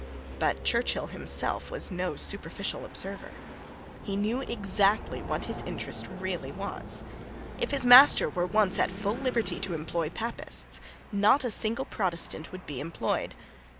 But Churchill himself was no superficial observer. He knew exactly what his interest really was. If his master were once at full liberty to employ Papists, not a single Protestant would be employed.